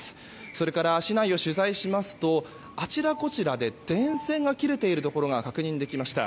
それから、市内を取材しますとあちらこちらで電線が切れているところが確認できました。